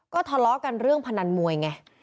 ก็ทะเลาะกันเรื่องพนันมวยไง